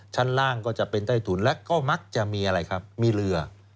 ชั้นล่างก็จะเป็นใต้ถุนและก็มักจะมีอะไรครับมีเรือ